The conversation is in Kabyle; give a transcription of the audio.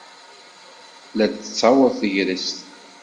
La d-tettaweḍ tegrest.